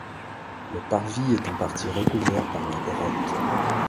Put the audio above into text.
Le parvis est en partie recouvert par la grotte.